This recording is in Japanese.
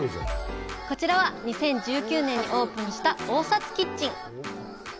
こちらは、２０１９年にオープンしたオウサツキッチン。